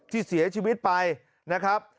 ที่เสียชีวิตไปนะครับ